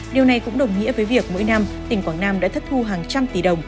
điều này cũng đồng nghĩa với việc mỗi năm tỉnh quảng nam đã thất thu hàng trăm tỷ đồng